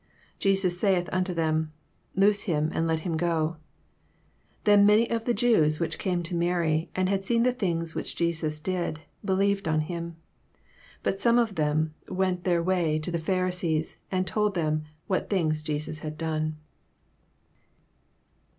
Jesus saith unto them. Loose him, and let him go. 45 Then many of the Jews which came to Mary, and had seen the things which Jesus did, believed on him. 46 But some of. them went their ways to the Pharisees, and told them what things Jesus had done.